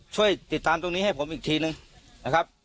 ช่วยติดตามตรงนี้ให้ผมอีกทีนึงนะครับ